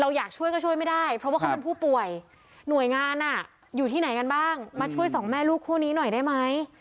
อยากช่วยก็ช่วยไม่ได้เพราะว่าเขาเป็นผู้ป่วยหน่วยงานอยู่ที่ไหนกันบ้างมาช่วยสองแม่ลูกคู่นี้หน่อยได้ไหม